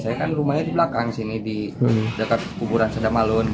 saya kan rumahnya di belakang sini di dekat kuburan sedamalun